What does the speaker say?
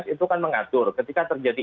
itu kan mengatur ketika terjadi